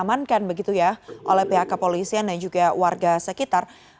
diamankan begitu ya oleh pihak kepolisian dan juga warga sekitar